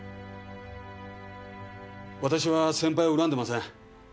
私は先輩を恨んでません。